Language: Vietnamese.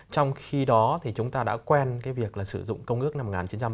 trong khi đó thì chúng ta đã quen cái việc là sử dụng công ước năm một nghìn chín trăm tám mươi hai